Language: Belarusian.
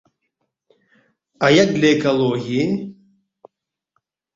А як для экалогіі?